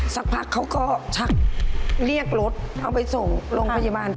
สักพักเขาก็ชักเรียกรถเอาไปส่งโรงพยาบาล